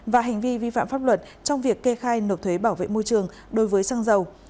và hành vi vi phạm pháp luật trong việc kê khai nộp thuế bảo vệ môi trường đối với xăng dầu